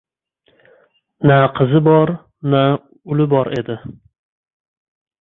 Na qizi bor, na uli bor edi.